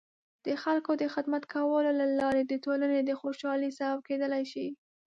د خلکو د خدمت کولو له لارې د ټولنې د خوشحالۍ سبب کیدلای شي.